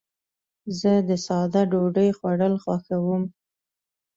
زه د ساده ډوډۍ خوړل خوښوم.